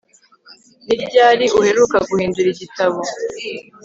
Ni ryari uheruka guhindura igitabo